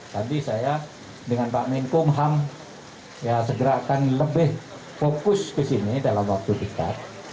tadi saya dengan pak menkumham ya segera akan lebih fokus ke sini dalam waktu dekat